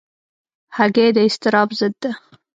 هګۍ د اضطراب ضد ده.